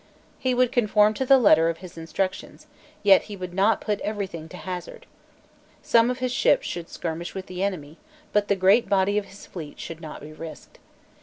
He would conform to the letter of his instructions; yet he would not put every thing to hazard. Some of his ships should skirmish with the enemy; but the great body of his fleet should not be risked.